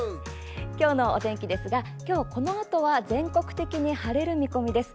お天気、今日このあとは全国的に晴れる見込みです。